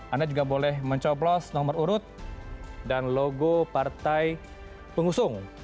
anda juga boleh mencoblos nomor urut dan logo partai pengusung